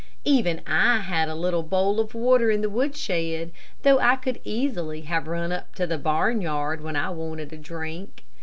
Even I had a little bowl of water in the woodshed, though I could easily have run up to the barnyard when I wanted a drink.